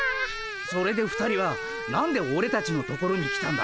それで２人は何でオレたちのところに来たんだ？